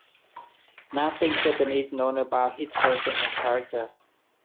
Nothing certain is known about his person and character.